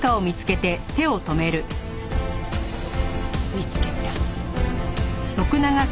見つけた。